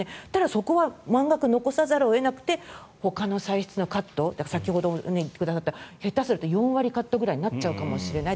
そこは満額残さざるを得なくてほかの歳出のカット先ほど言った下手すると４割カットくらいになるかもしれない。